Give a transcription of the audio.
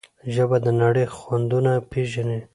ژبه د نړۍ خوندونه پېژني.